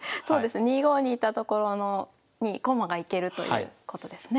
２五に居た所に駒が行けるということですね。